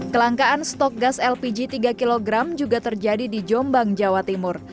kelangkaan stok gas lpg tiga kg juga terjadi di jombang jawa timur